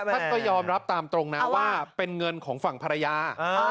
ท่านก็ยอมรับตามตรงนะว่าเป็นเงินของฝั่งภรรยา